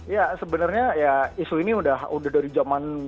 ya sebenarnya ya isu ini udah dari zaman bahala banget gitu ya